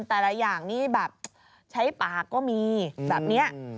แต่ละอย่างนี้แบบใช้ปากก็มีแบบนี้